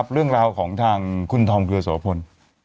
เรื่องราวของทางคุณธอมเครือโสพล